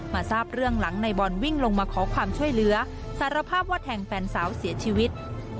ทราบเรื่องหลังในบอลวิ่งลงมาขอความช่วยเหลือสารภาพว่าแทงแฟนสาวเสียชีวิต